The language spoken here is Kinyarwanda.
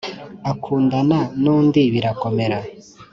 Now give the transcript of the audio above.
akundana nundi birakomera